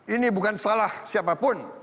ini bukan salah siapapun